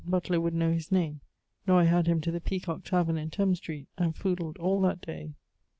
Butler would know his name. Noy had him to the Peacock Taverne in Thames Street, and fudled all that day.